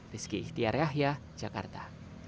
rizki ihtiar yahya jakarta